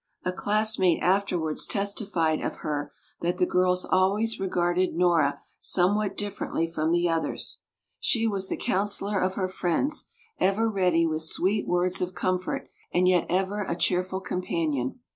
A classmate afterwards testified of her that the girls always regarded Nora somewhat differently from the others. She was the counsellor of her friends, ever ready with sweet words of comfort, and yet ever a cheerful companion.